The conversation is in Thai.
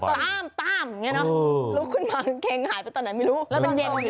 ตามตามอย่างนี้เนอะลุกขึ้นมากางเกงหายไปตอนไหนไม่รู้แล้วมันเย็นอยู่